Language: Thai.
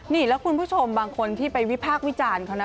นี่แล้วคุณผู้ชมบางคนที่ไปวิพากษ์วิจารณ์เขานะ